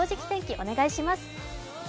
お願いします。